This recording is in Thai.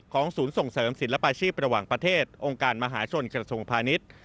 ของศูนย์ส่งเสริมศิลปาชีพประวังประเทศองค์การมหาชนกรสวงพนิต